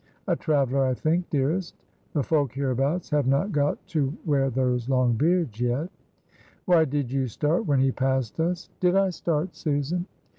"A traveler, I think, dearest. The folk hereabouts have not got to wear those long beards yet." "Why did you start when he passed us?" "Did I start, Susan?"